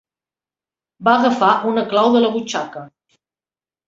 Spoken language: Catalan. Va agafar una clau de la butxaca.